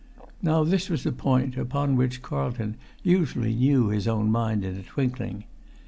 Now this was a point upon which Carlton usually knew his mind in a twinkling.